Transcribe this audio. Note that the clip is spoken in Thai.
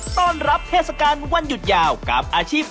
ต้อนรับเทศกาลวันหยุดยาวกับอาชีพ